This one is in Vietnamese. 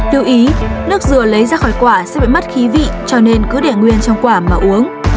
lưu ý nước dừa lấy ra khỏi quả sẽ bị mất khí vị cho nên cứ để nguyên trong quả mà uống